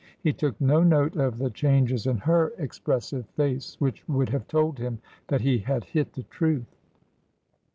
He took no note of the changes in her expressive face, which would have told him that he had hit the truth.